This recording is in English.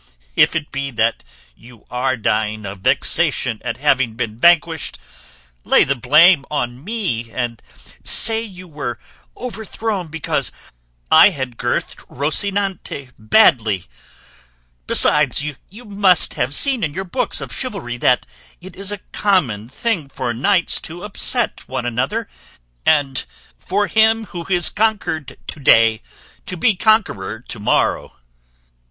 If it be that you are dying of vexation at having been vanquished, lay the blame on me, and say you were overthrown because I had girthed Rocinante badly; besides you must have seen in your books of chivalry that it is a common thing for knights to upset one another, and for him who is conquered to day to be conqueror to morrow."